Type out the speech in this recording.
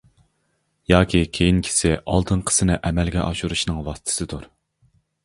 ياكى كېيىنكىسى ئالدىنقىسىنى ئەمەلگە ئاشۇرۇشنىڭ ۋاسىتىسىدۇر.